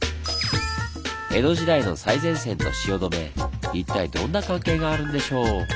江戸時代の最前線と汐留一体どんな関係があるんでしょう？